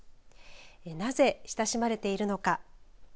なぜ親しまれているのか。